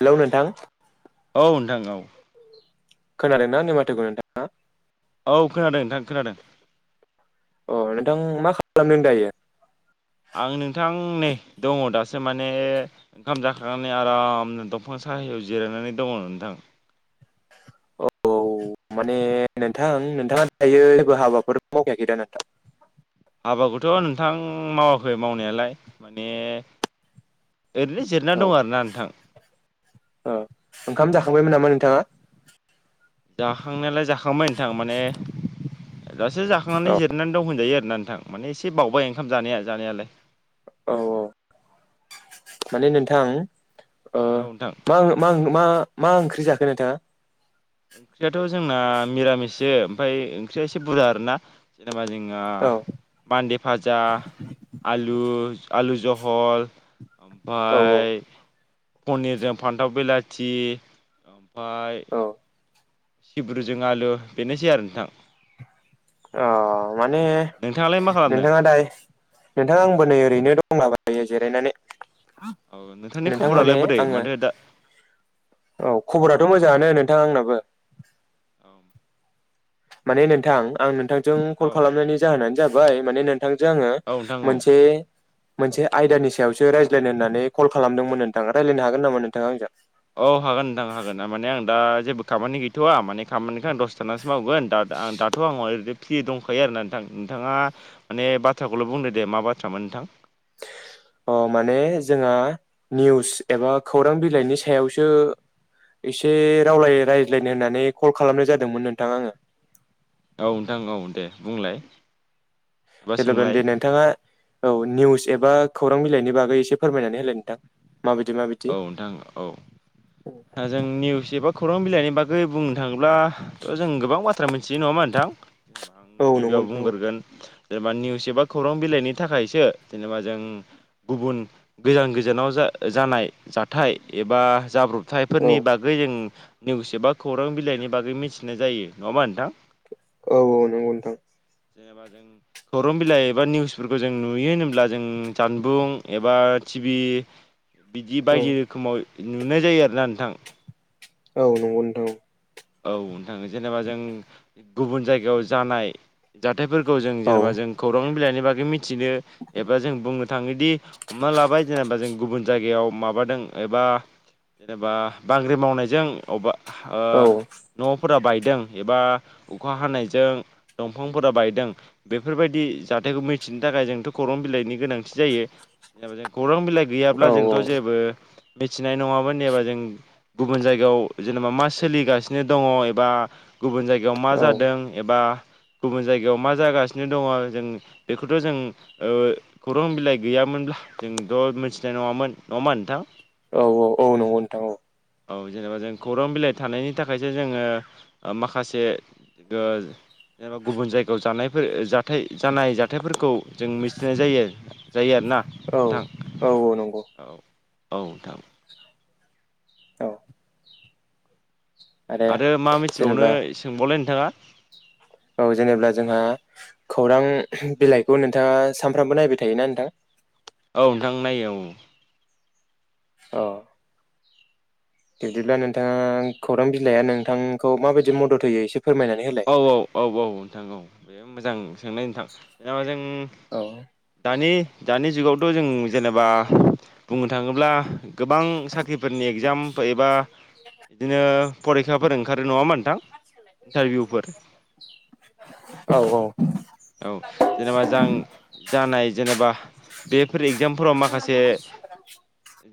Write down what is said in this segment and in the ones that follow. Hello नोंथां। औ नोंथां औ। खोनादोंना माथोखो नोंथाङा? औ खोनादों नोंथां खोनादों। अ नोंथां मा खालामदों दायो? आं नोंथां नै दङ दासो माने ओंखाम जाखांनानै आराम दंफां साहायाव जिरायनानै दङ नोंथां। [inaudible] अ माने नोंथां नोंथाङा दायो जेबो हाबाफोर मावखायाखै दा नोंथां? हाबाखौथ' नोंथां मावाखै मावनायालाय। माने ओरैनो जिरायना दं आरोना नोंथां। ओ। ओंखाम जाखांबायमोन नामा नोंथाङा? जाखांनायालाय जाखांबाय नोंथां माने। दासो जाखांनानै औ जिरनानै दं होनजायो आरोना नोंथां माने एसे बावबाय ओंखाम जानाया जानायालाय। औ-औ माने औ नोंथां। ओ नोंथां मां मां मा मा ओंख्रि जाखो नोंथाङा। ओंख्रियाथ' जोंना मिरामिसस ओमफ्राय ओंख्रिया एसे बुरजा आरोना। जेनेबा जोङो औ बान्दे भाजा आलु। आलु जहल औ ओमफ्राय। पनिरजों फान्थाव बिलाथि ओमफफ्राय। औ सिब्रुजों आलु बेनोसै आरो नोंथां। अ माने नोंथाङालाय मा खालामदों नोंथाङा दाय नोंथाङा आंबो नै ओरैनो दं। माबायो जिरायनानै। औ नोंथांनि नोंथां खबरालाय माने बोरै आङो माथो दा औ खबराथ' मोजां। मोजांआनो नोंथां आंनाबो। माने नोंथां आं नोंथांजों कल औ खालामनायनि जाहोनानो जाबाय माने नोंथ। बिथांजों आङो औ नोंथां औ मोनसे। मोनसे आयदानि सायावसो रायज्लायनो होननानै कल खालामदोंमोन नोंथाङा रायज्लायनो हागोन नामा नोंथाङाजों। औ हागोन नोंथां हागोनमाने आं दा जेबो खामानि गैथ'वा माने। खामानिखौ आं दसथानासो मावगोन दा। आं दाथ' आंहा ओरैनो फ्रि दंखायो आरोना नोंथां नोंथाङा माने बाथ्राखौल' बुंदो दे मा बाथ्रामोन नोंथां। [unintelligible] अ माने जोंहा निउस एबा खौरां बिलाइनि सायावसो। एसे रावलाय रायज्लायनो होननानै कल खालामनाय जादोंमोन नोंथां आंङो। औ नोंथां औ दे बुंलाय। एबा सोंलाय जेलानो नोंथाङा औ निउस। एबा खौरां बिलाइनि बागै एसे फोरमायनानै होलाय नोंथां। माबायदि माबायदि औ नोंथां औ जों निउस एबा खौरां। बिलायनाय बागै बुंनो थाङोब्लाथ' जों गोबां बाथ्रा मिथियो नङामा नोंथां। जेनेबा आं औ नंगौ गिबियाव नोंथां औ बुंग्रोगोन। जेनेबा निउस एबा खौरां बिलाइनि थाखायसो जेनेबा जों गुबुन गोजान गोजानाव जा। जानाय जाथाय एबा जाब्रबथायफोरनि औ बागै जों। निउस एबा खौरां बिलाइनि बागै मिथिनाय जायो नङामा नोंथां। औ-औ नंगौ नोंथां। जेनेबा जों खौरां बिलाइ एबा निउसफोरखौ जों नुयो होनोब्ला। जों जानबुं एबा टिभि बिदि बायदि औ रोखोमाव। नुनाय जायो आरो ना नोंथां। औ नंगौ नोंथां औ नोंथां जेनेबा जों गुबुन जायगायाव जानाय जा। हथायफोरखौ जों औ जेनेबा जों खौरां नि बागै मिथिनो एबा जों बुंनो थाङोदि हमना लाबाय जेनेबा जों गुबुन जायगायाव माबादों एबा जेनेबा बांग्रि मावनायजों अबेबा औ न'फोरा बायदों एबा अखा हानायजों दंफांफोरा बायदों बेफोरबायदि जाथायखौ मिथिनो थाखाय जोंथ' खौरां बिलाइनि गोनांथि जायो जा जों खौरां बिलाइ गैयाब्ला औ जोंथ' औ। जेबो मिथिनाय नङाबा एबा जों गुबुन जायगायाव जेनेबा मा सोलिगासिनो नो दङ एबा गुबुन जायगायाव मा औ जादों एबा गुबुन जायगायाव मा जागासिनो दङ जों बेखौथ' जों खौरां बिलाइ गैयाब्ला मोनब्ला जोंथ' मिथिनाय नङामोन नङामा नोंथां औ औ औ नंगौ नोंथां औ औ जेनेबा जों खौरां बिलाइ थानायनि नि थाखायसो जोङो माखासे जेनेबा गुबुन जायगायाव जानाय जानाय जाथायफोरखौ जों मिथिनाय जायो जायो आरो। औ औ औ नंगौ। औ औ नोंथां औ आरो मा मिथिबावनो जेनेबा सोंबावलाय नोंथाङा। औ जेनेबा जोंहा खौरां बिलाइखौ नोंथाङा सानफ्रामबो नायबाय थायोना नोंथां। औ नोंथां नायो औ। औ। बिदिब्ला नोंथाङा खौरां बिलाइआ नोंथांखौ माबायदि मदद होयो एसे फोरमायनानै होलाय औ औ औ औ नोंथां औ बे मोजां सोंनाय नोंथां जेनबा जों औ दानि दानि जुगावथ' थ' जों जेनेबा बुंनो थाङोब्ला गोबां साख्रिफोरनि एगजाम एबा बिदिनो फरिखाफोर ओंखारो नङामोन नोंथां इन्टारभिउफोर औ औ औ जेनेबा जां जानाय जेनेबा बेफोर एगजामफोराव माखासे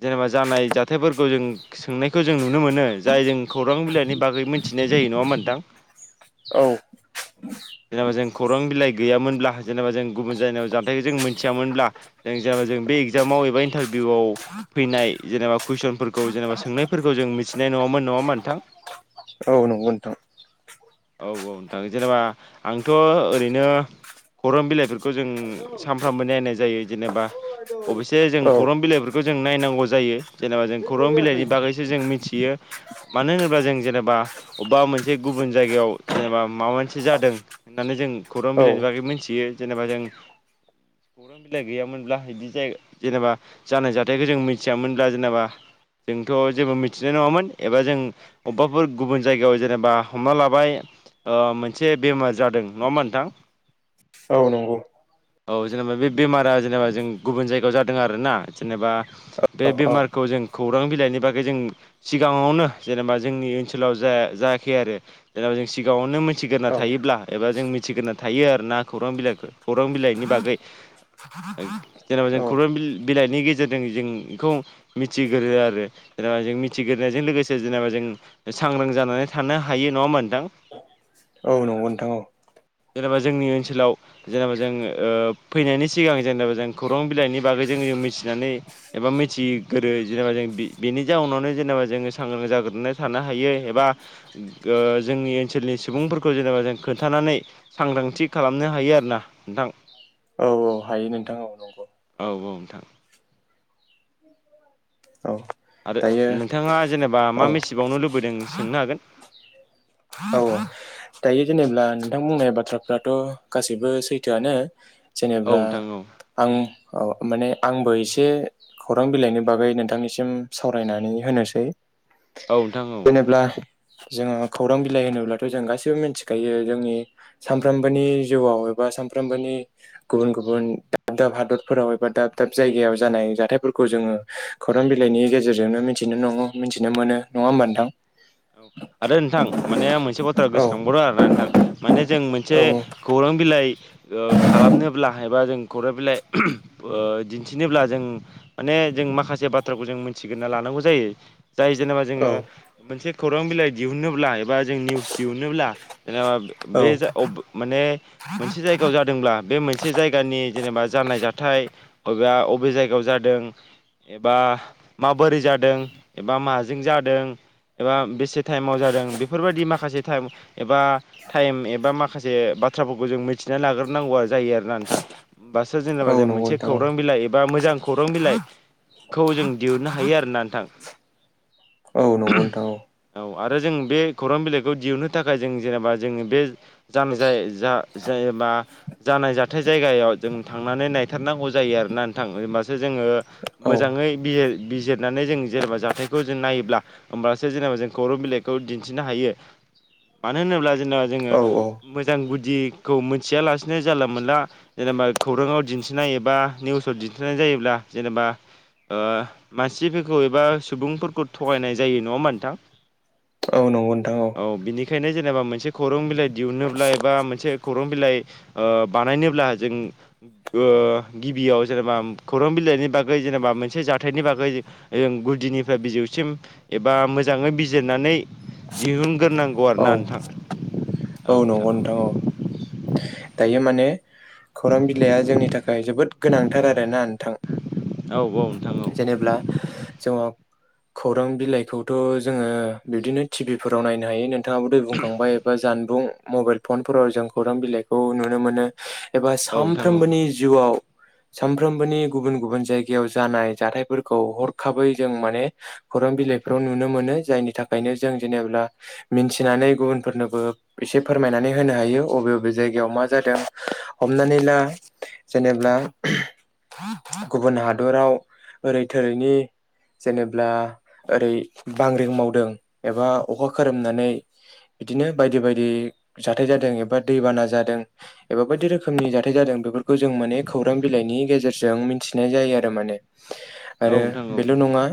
जेनेबा जानाय जा जाथायफोरखौ जों सोंनायखौ जों नुनो मोनो जाय जों खौरां बिलाइनि बागै मोनथिनाय जायो नङा होनबा नोंथां औ जेनेबा जों खौरां बिलाइ गैयामोनब्ला जेनेबा जों गुबुन जायगायाव जानथायखौ जों मिथियामोनब्ला जों जेनेबा जों बे इक्जामाव एबा इनटारभिउ फैनाय जेनेबा कुइसनफोरखौ जेनेबा सोंनायफोरखौ जों मिथिनाय नङामोन नङा होनबा नोंथां औ नंगौ नोंथां औ औ नोंथां जेनेबा आंथ' ओरैनो खौरां बिलाइफोरखौ जों सानफ्रामबो नायनाय जायो जेनेबा अबयसे जों औ खौरां बिलाइफोरखौ जों नायनांगौ जायो जेनेबा जों खौरां बिलाइनि बागैसो जों मिथियो मानो होनोब्ला जों जेनेबा अबेबा मोनसे गुबन जायगायाव जेनेबा माबा मोनसे जादों होननानै जों खौरां औ बिलाइनि बागै मिथियो जेनेबा जों [inaudible] खौरां बिलाइ गैयामोनब्ला बिदि जाय जेनेबा जानाय जाथायखौ जों मिथियामोनब्ला जेनेबा जोंथ' जेबो मिथिनाय नङामोन एबा जों अबेबाफोर गुबुन जायगायाव जेनेबा हमना लाबाय मोनसे बेमार जादों नङा होनबा नोंथां नोंगौ। औ जेनेबा बे बेमारा जेनेबा जों गुबुन जायगायाव जादों आरोना जेनेबा बे औ औ बेमारखौ जों खौरां बिलाइनि बागै जों सिगाङावनो जेनेबा जोंनि ओनसोलाव जा जायाखै आरो। जेनेबा जों सिगाङावनो मिथिग्रोना औ थायोब्ला एबा जों मिथिग्रोना थायो आरोना खौरां बिलाइखौ खौरां बिलाइ बिलाइनि बागै जेनेबा जों औ खौरां बिलाइनि गेजेरजों जों बेखौ मिथिग्रो आरो द जों मिथिग्रोनायजों लोगोसे जेनेबा जों सांग्रां जानानै थानो ह हायो नङा होनबा नोंथां ओ नोंथां औ जेनेबा जोंनि ओनसोलाव जेनेबा जों ओ फैनायनि सिगां जेनेबा जों खौरां बिलाइनि बागै जोंबो मिथिनानै एबा मिथिग्रो जेनेबा जों बेनि जाउनावनो जेनेबा जोङो सांग्रां जा ग्रोना थानो हायो एबा ओ जोंनि ओनसोलनि सुबुंफोरखौ जेनेबा जों खोन्थानानै सांग्रांथि खालामनो हायो आरोना नों थां औ औ हायो नोंथां औ नंगौ। औ औ नोंथां औ आरो दायो नोंथाङा जेनेबा मा औ मिथिबावनो लुबैदों सोंनो हागोन। औ दायो जेनेब्ला नोंथां बुंनाय बाथ्राफ्राथ' गासैबो सैथोआनो औ जेनेब्ला नोंथां औ आं अ माने आंबो ए से खौरां बिलाइनि बागै नोंथांनिसिम सावरायनानै होनोसै। औ नोंथां औ। जेनेब्ला जोङो खौरां बिलाइ होनोब्लाथ जों गासै बो मिथिखायो जोंनि सानफ्रोमबोनि जिउआव एबा सानफ्रोमबोनि गुबुन गुबुन दाब दाब हादरफोराव एबा दाब दाब जायगायाव जानाय जाथायफोरखौ जोङो खौरां बिलाइनि गेजेरजोंनो मिथिनो नङ मिथिनो मोनो नङा होमबा नोथां? औ आरो नोंथां माने मोनसे बाथ्रा औ गोसो खांबावदों आरोना नोंथां माने जों मोनसे औ खौरां बिलाइ ओ खालामनोब्ला हायबा जों खौरां बिलाइ [unintelligible] ओ दिन्थिनोब्ला जों माने जों माखासे बाथ्राखौ जों मिथिगोन ना लानांगौ जायो। जाय जेनेबा जोङो औ मोनसे खौरां बिलाइ दिहुनोब्ला एबा जों निउस दिहुनोब्ला [unintelligible] औ माने मोनसे जायगायाव जादोंब्ला बे मोनसे जायगानि जेनेबा जानाय जाथाय बबेबा अबे जायगायाव जादों एबा माबोरै जादों एबा माजों जादों एबा बेसे टाइमाव जादों बेफोरबायदि माखासे एबा टाइम एबा माखासे बा थ्राफोरखौ जों मिथिना लाग्रोनांगौ जायो आरोना नोंथां। होमबासो औ जेनेबा जों नंगौ मोनसे नोंथां औ खौरां बिलाइ एबा मोजां खौरां बिलाइखौ जों दिहुननो हायो आरो ना नोंथां। औ नंगौ नोंथां औ। औ आरो जों बे खौरां बिलाइखौ दिहुननो थाखाय जों जेनेबा जोङो बे जान जाय जा जेनबा जानाय जाथाय जायगायाव जों थांनानै नायथारनांगौ जायो आरोना नोंथां होनबासो जोङो ओ औ मोजाङै बि-बिजिरनानै जों जेनेबा जाथायखौ जों नायोब्ला ओमबा सो जेनेबा जों खौरां बिलाइखौ दिन्थिनो हायो। मानो होनोब्ला जेनेबा जोङो औ औ मोजां गुदिखौ मोनथिया लासेनो जानला मोनला जे नेबा खौराङाव दिन्थिनाय एबा निउसाव दिन्थिनाय जायोब्ला जेनेबा ओ मानसिफोरखौ एबा सुबुंफोरखौ थगायनाय जायो नङा होनबा नोथां। ओ नंगौ नोंथा औ। औ बिनिखायनो जेनेबा मोनसे खौरां बिलाइ दिहुनोब्ला एबा मोनसे खौरां बिलाइ ओ बानाय नोब्ला जों ओ गिबियाव जेनेबा खौरां बिलाइनि बागै जेनेबा मोनसे जाथायनि बागै जों गुदिनिफ्राय बिजौसिम एबा मो जाङै बिजिरनानै दिहुनग्रोनांगौ औ आरोना नोंथां। औ नंगौ नोंथां औ दायो माने खौरां बिलाइआ जोंनि थाखाय जोबोद गोनांथार आरोना नोंथां नोंथां औ जेनेब्ला जोङो खौरां बिलाइखौथ' जोङो बिदिनो टिभि फोराव नायनो हायो नों थाङाबो दहाय बुंखांबाय एबा जानबुं मबाइल फनफोराव जों खौरां बिलाइखौ नुनो मोनो। एबा नोंथां औ नोंथां औ सानफ्रोमबोनि जिउआव सानफ्रोमबोनि गुबुन गुबुन जायगायाव जानाय जाथायफोरखौ हरखाबै जों माने खौरां बिलाइफ्राव नुनो मोनो जायनि थाखायनो जों जेनेब्ला मिन्थिनानै गुबुनफोरनोबो एसे फोरमायनानै होनो हायो अबे अबे जायगायाव मा जादों, हमनानै ला जेनेब्ला गुबुन हादराव ओरै थोरैनि जेनेब्ला ओरै बांग्रिं मावदों एबा अखा खोरोमनानै बिदिनो बायदि बायदि बि जाथाय जादों एबा दै बाना जादों एबा बायदि रोखोमनि जाथाय जादों बेफोरखौ जों माने खौरां बिलाइनि गेजेरजों मिथिनाय जायो आरो माने। औ आरो नोंथां औ नोंथां बेल' औ नङा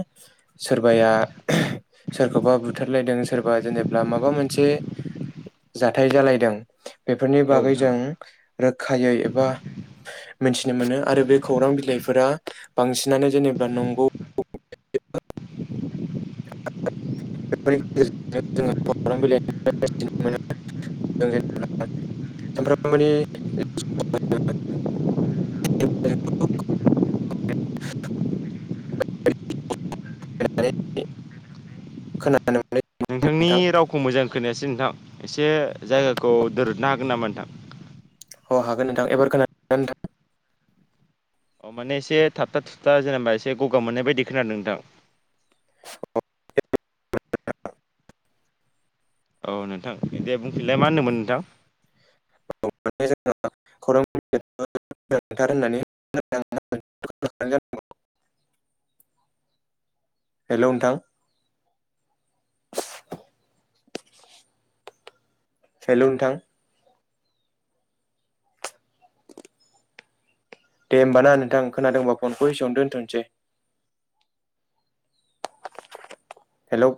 सोरबाया [unintelligible] सोरखौबा बुथारलायदों सोरबा जेनेब्ला माबा मोनसे जाथाय जालायदों बेफोरनि औ बागै नोंथां जों रोखायै एबा मिथिनो मोनो आरो बे खौरां बिलाइफोरा बिनानै जेनेबा नंगौ [unintelligible] [unintelligible] [unintelligible] सानफ्रामबोनि [unintelligible] [inaudible] [unintelligible] नोंथांनि नोंथां रावखौ मोजां खोनायासै नोंथां एसे जायगाखौ दोरदनो हागोन नामा नोंथां? आं हागोन नोंथां एबार खोना [unintelligible] नोंथां अ माने एसे थाबथा थुुबथा जेनेबा एसे गगा मोननाय बायदि खोनादों नोंथां [inaudible] औ नोंथां दे बुंफिलाय मा होनदोंमोन नोंथां? [unintelligible] [unintelligible] थार होननानै [unintelligible] हेल' नोंथां हेलौ नोथां दे होमबा ना नोंथां खोनादोंबा फनखौ एसेआवनो दोनथ'नोसै हेलौ